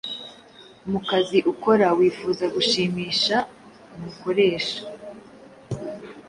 mu kazi ukora wifuza gushimisha umukoresha